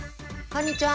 こんにちは。